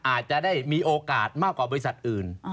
อาจจะได้มีโอกาสมากกว่าบริษัทอื่น